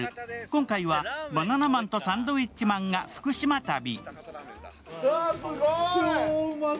今回はバナナマンとサンドウィッチマンが福島旅。